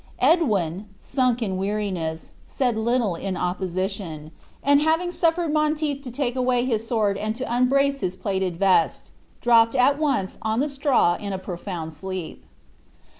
Edwin, sunk in weariness, said little in opposition; and having suffered Monteith to take away his sword and to unbrace his plated vest, dropped at once on the straw in a profound sleep.